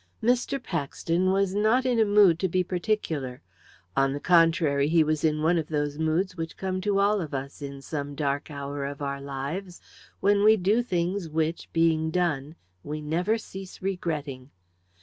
Mr. Paxton was not in a mood to be particular. On the contrary, he was in one of those moods which come to all of us, in some dark hour of our lives, when we do the things which, being done, we never cease regretting.